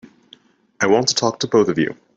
I want to talk to both of you.